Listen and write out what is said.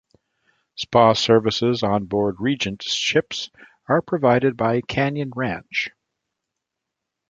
Spa services on-board Regent ships are provided by Canyon Ranch.